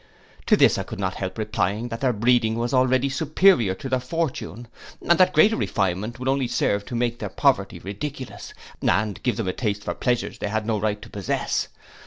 To this I could not help replying, that their breeding was already superior to their fortune; and that greater refinement would only serve to make their poverty ridiculous, and give them a taste for pleasures they had no right to possess.